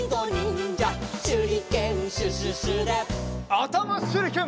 あたましゅりけん！